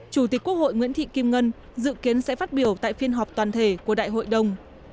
chủ tịch quốc hội nguyễn thị kim ngân dự kiến sẽ phát biểu tại phiên họp toàn thể của đại hội đồng